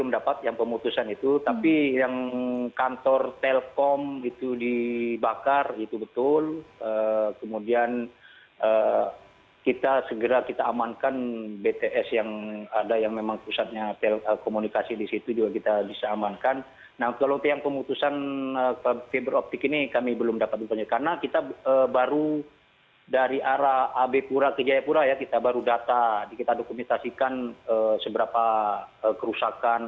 di arah ab pura kejaya pura ya kita baru data kita dokumentasikan seberapa kerusakan